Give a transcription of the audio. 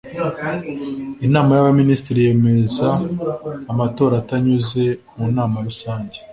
inama y’abaminisitiri yemeza amatora atanyuze mu nama rusange